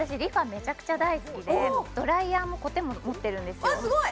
めちゃくちゃ大好きでドライヤーもコテも持ってるんですよあっすごい！